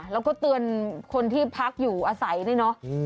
แล้วก็เตือนคนที่พักอยู่อาศัยนี่เนาะ